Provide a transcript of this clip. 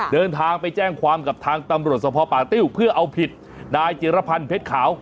เดินทางไปแจ้งความกับทางตำรวจสภป่าติ้วเพื่อเอาผิดนายจิรพันธ์เพชรขาว